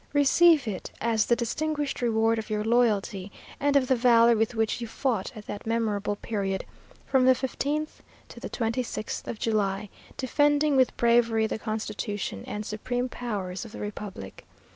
"Receive it as the distinguished reward of your loyalty, and of the valour with which you fought at that memorable period, from the 15th to the 26th of July, defending with bravery the constitution and supreme powers of the Republic.